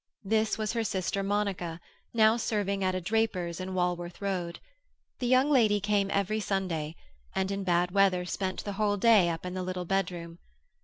This was her sister Monica, now serving at a draper's in Walworth Road. The young lady came every Sunday, and in bad weather spent the whole day up in the little bedroom.